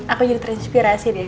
aku menjadi inspirasi